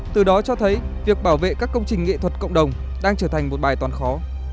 từ đó cho thấy việc bảo vệ các công trình nghệ thuật cộng đồng đang trở thành một bài toán khó